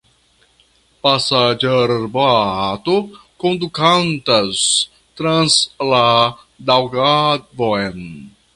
Pasaĝerboato kondukantas trans la Daŭgavon.